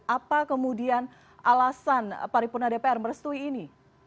apa kemudian alasan paripurna dpr merestui ini